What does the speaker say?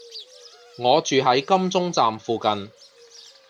我住喺金鐘站附近